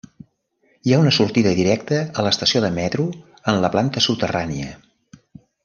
Hi ha una sortida directa a l'estació de metro en la planta soterrània.